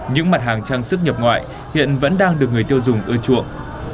những mặt hàng trang sức nhập ngoại hiện vẫn đang được người tiêu dùng ưa chuộng